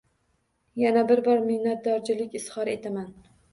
Yana bir bor minnadorchilik izhor etaman!